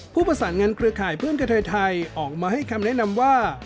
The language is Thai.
ผู้ประสานงานเครือข่ายเพื่อนกระเทยไทยออกมาให้คำแนะนำว่า